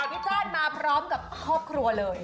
พี่ชาติมาพร้อมกับครอบครัวเลย